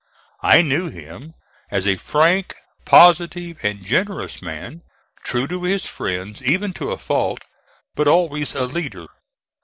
I knew him as a frank, positive and generous man, true to his friends even to a fault, but always a leader.